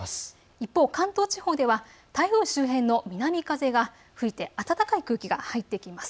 一方、関東地方では台風周辺の南風が吹いて暖かい空気が入ってきます。